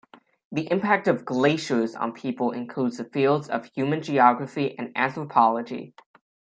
The impact of glaciers on people includes the fields of human geography and anthropology.